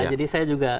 jadi saya juga